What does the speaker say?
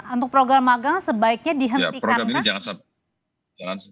untuk program magang sebaiknya dihentikan